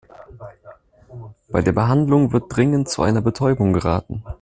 Bei der Behandlung wird dringend zu einer Betäubung geraten.